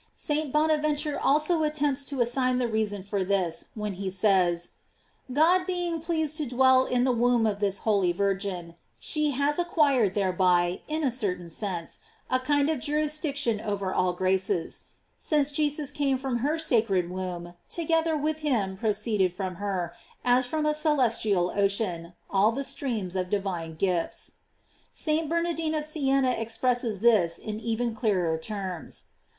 f St. Bonaventure also attempts to assign the rea son for this when he says: Grod being pleased to dwell in the womb of this holy Virgin, she has acquired thereby, in a certain sense, a kind of jurisdiction over all graces; since Jesus came from her sacred womb, together with him pro ceed from her, as from a celestial ocean, all the streams of divine gifts. J St. Bernardine of Si enna expresses this in even clearer terms.